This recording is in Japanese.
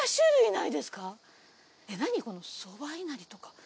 なにこのそばいなりとか。